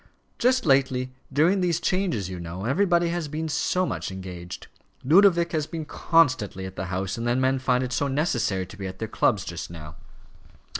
"Just lately, during these changes, you know, everybody has been so much engaged. Ludovic has been constantly at the House, and then men find it so necessary to be at their clubs just now."